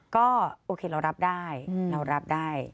ก็โอเคเรารับได้